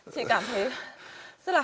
chị cảm thấy rất là vui